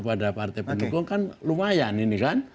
pada partai pendukung kan lumayan ini kan